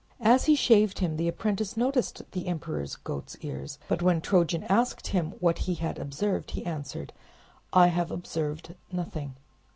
As he shaved him the apprentice noticed the emperor's goat's ears, but when Trojan asked him what he had observed, he answered, "I have observed nothing."